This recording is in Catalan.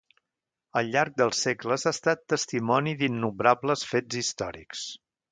Al llarg dels segles ha estat testimoni d'innombrables fets històrics.